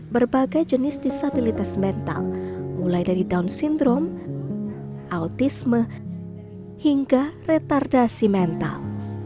berbagai jenis disabilitas mental mulai dari down syndrome autisme hingga retardasi mental